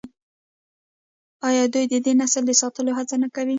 آیا دوی د دې نسل د ساتلو هڅه نه کوي؟